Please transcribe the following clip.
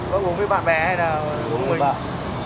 có uống với bạn bè hay là uống với mình